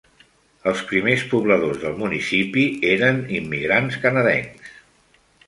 Els primers pobladors del municipi eren immigrants canadencs.